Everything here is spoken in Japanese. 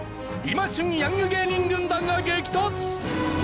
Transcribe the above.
今旬ヤング芸人軍団が激突！